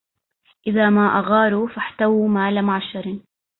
إذا ما أغاروا فاحتووا مال معشر